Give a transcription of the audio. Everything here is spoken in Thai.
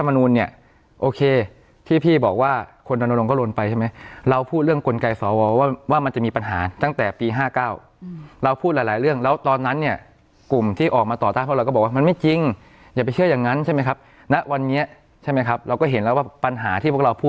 ไม่เป็นไรเดี๋ยวเค้าก็ถามตกล่องตามงั้นคุณตอบตกล่องอีกซักคนนะครับ